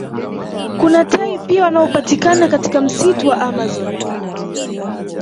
Kuna tai pia wanaopatikana katika msitu wa amazon